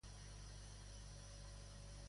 Qui la va declarar honorable?